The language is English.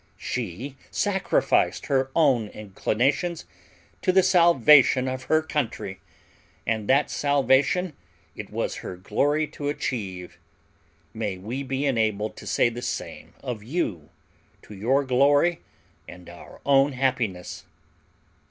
She sacrificed her own inclinations to the salvation of her country, and that salvation it was her glory to achieve. May we be enabled to say the same of you, to your glory and our own happiness!